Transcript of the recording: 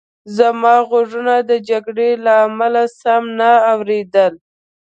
زما غوږونو د جګړې له امله سم نه اورېدل